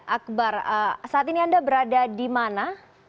akbar saat ini anda berada di mana